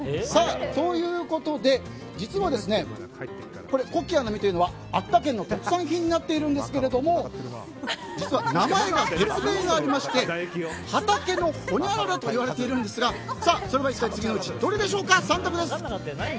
ということで、実はコキアの実というのは秋田県の特産品になっているんですが実は別名がありまして畑のほにゃららといわれているんですがそれは一体次のうちどれでしょうか。